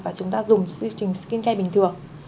và chúng ta dùng dịch trình skin care bình thường